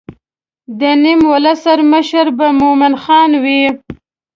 د نیم ولس مشر به مومن خان وي.